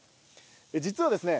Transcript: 実はですね